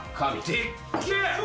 でっけー！